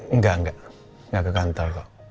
enggak enggak enggak